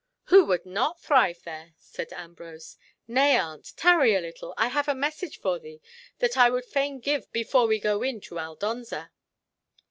"Who would not thrive there?" said Ambrose. "Nay, aunt, tarry a little, I have a message for thee that I would fain give before we go in to Aldonza."